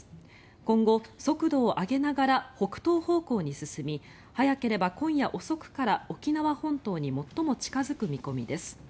今後、速度を上げながら北東方向に進み早ければ今夜遅くから沖縄本島に最も近付く見込みです。